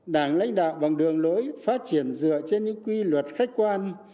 đảng lãnh đạo bằng đường lối phát triển dựa trên những quy luật khách quan